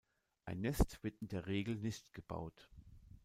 Ein Nest wird in der Regel nicht gebaut.